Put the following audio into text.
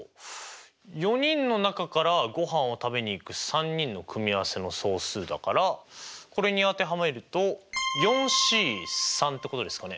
４人の中からごはんを食べに行く３人の組合せの総数だからこれに当てはめるとＣってことですかね？